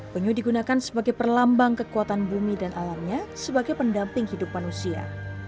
penyu digunakan sebagai perlambang kekuatan bumi dan alamnya sebagai pendamping hidup manusia